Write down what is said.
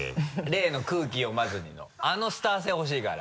例の「空気読まずに」のあのスター性ほしいから。